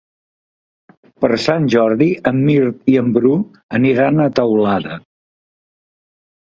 Per Sant Jordi en Mirt i en Bru aniran a Teulada.